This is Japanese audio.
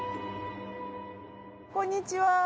こんにちは。